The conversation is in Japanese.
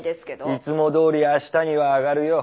いつもどおりあしたには上がるよ。